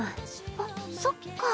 あっそっか。